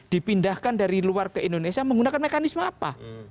dipindahkan dari luar ke indonesia menggunakan mekanisme apa